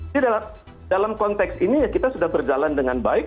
jadi dalam konteks ini ya kita sudah berjalan dengan baik